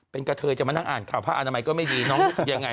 เป็นกะเทยจะมานั่งอ่านข่าวผ้าอนามัยก็ไม่ดีน้องรู้สึกยังไง